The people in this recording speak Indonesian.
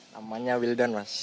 namanya wildan mas